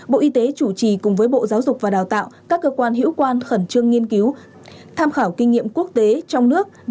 bộ y tế chủ trì cùng với bộ giáo dục và đào tạo các cơ quan hiệu quan khẩn trương nghiên cứu